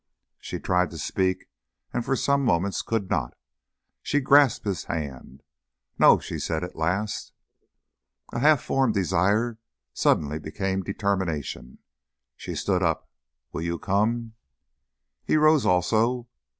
She tried to speak, and for some moments could not. She grasped his hand. "No," she said at last. A half formed desire suddenly became determination. She stood up. "Will you come?" He rose also.